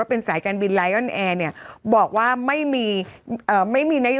เอาอย่างนี้